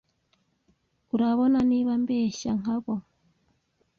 urabona niba mbeshya nkabo